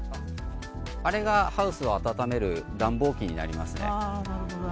あれがハウスを暖める暖房機になりますね。